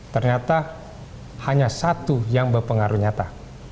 ternyata hanya satu yang berpengaruh nyata